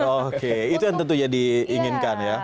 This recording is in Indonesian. oke itu yang tentunya diinginkan ya